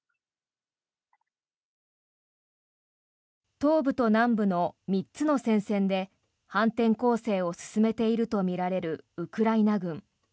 東部と南部の３つの戦線で反転攻勢を進めているとみられるウクライナ軍。